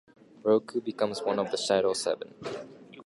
Roku becomes one of the Shadow Seven.